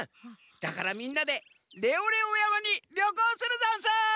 だからみんなでレオレオやまにりょこうするざんす！